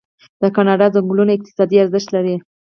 د کاناډا ځنګلونه اقتصادي ارزښت لري.